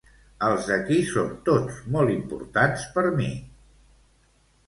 Els d'aquí són tots molt importants per a mi.